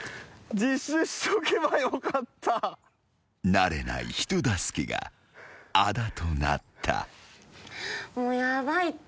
［慣れない人助けがあだとなった］